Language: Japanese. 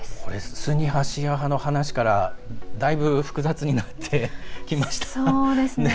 スンニ派シーア派の話からだいぶ、複雑になってきましたね。